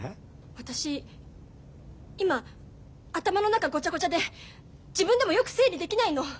私今頭の中ゴチャゴチャで自分でもよく整理できないの。